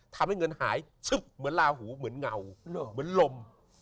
ทำให้เงินหายชึบเหมือนลาหูเหมือนเงาเหมือนลม